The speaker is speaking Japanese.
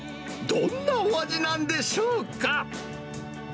どんなお味なんでしょうか？